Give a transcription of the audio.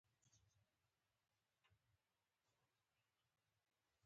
په لړزانده لاس یې لمر خاته ته اشاره وکړه چې هلته لاړ شم.